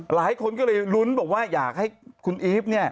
หลายคนก็เลยลุ้นบอกว่าอยากให้คุณอีฟ